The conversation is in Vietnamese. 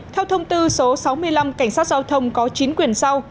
theo thông tư số sáu mươi năm cảnh sát giao thông có chín quyền sau